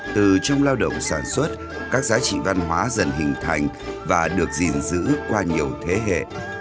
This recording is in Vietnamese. từ trong lao động sản xuất các giá trị văn hóa dần hình thành và được gìn giữ qua nhiều thế hệ